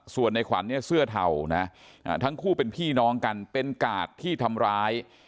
ส่วนในขวัญเนี่ยเสื้อเทานะทั้งคู่เป็นพี่น้องกันเป็นกาดที่ทำร้าย